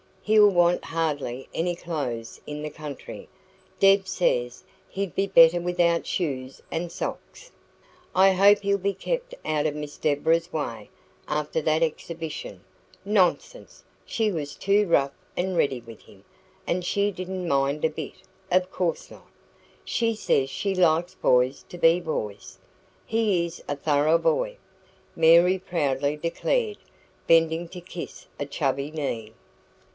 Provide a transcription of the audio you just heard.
He'll want hardly any clothes in the country. Deb says he'd be better without shoes and socks." "I hope he'll be kept out of Miss Deborah's way, after that exhibition " "Nonsense! She was too rough and ready with him. And she didn't mind a bit of course not. She says she likes boys to be boys. He is a thorough boy," Mary proudly declared, bending to kiss a chubby knee.